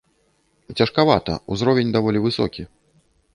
Цяжкавата, узровень даволі высокі.